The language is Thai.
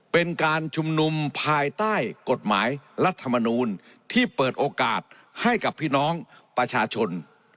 เป็นการชุมนุมภายใต้กฎหมายรัฐมนูลที่เปิดโอกาสให้กับพี่น้องประชาชน